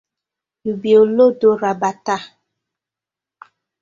Yu bi olodo rabata.